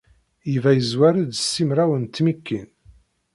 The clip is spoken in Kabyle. Yuba yezwar-d s simraw n tmikin.